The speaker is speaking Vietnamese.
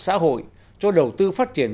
xã hội cho đầu tư phát triển